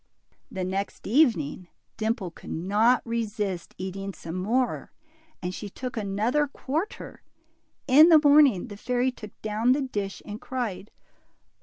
The next evening Dimple could not resist eating some more, and she took another quarter. In the morning the fairy took down the dish and cried.